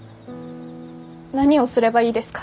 何をすればいいですか？